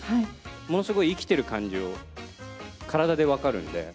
ものすごい、生きている感じが体で分かるので。